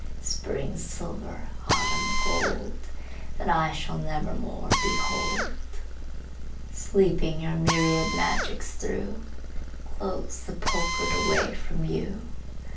Spring silver, autumn gold, That I shall never more behold! Sleeping your myriad magics through, Close sepulchred away from you!